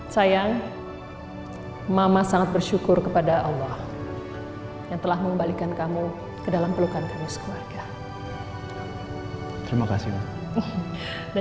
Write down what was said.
saya memanfaatkan ke pandemia saya berhasrat sampai hari kemudian lalu masih berjalan keam monita